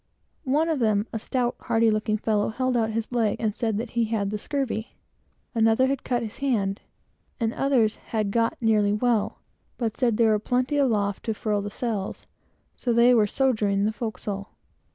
One of them, a stout, hearty looking fellow, held out his leg and said he had the scurvy; another had cut his hand; and others had got nearly well, but said that there were plenty aloft to furl the sails, so they were sogering on the forecastle.